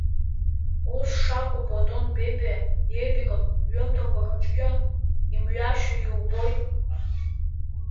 Ус шакәу Платон Бебиа епикатә ҩымҭақәа рыҿгьы имҩашьо иубоит.